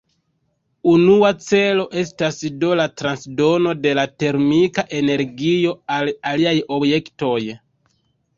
Unua celo estas do la transdono de termika energio al aliaj objektoj.